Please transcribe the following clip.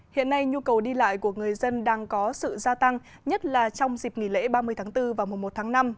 hiện nay nhu cầu đi lại của người dân đang có sự gia tăng nhất là trong dịp nghỉ lễ ba mươi tháng bốn và mùa một tháng năm